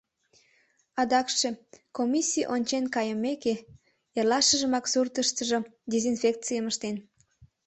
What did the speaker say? Адакше, комиссий ончен кайымеке, эрлашыжымак суртыштыжо дезинфекцийым ыштен.